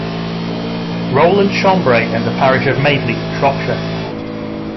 Rowland Chambre in the parish of Madeley, Shropshire.